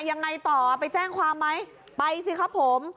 ยังไงต่อไปแจ้งความไหมไปสิครับผม